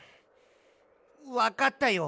わかったよ。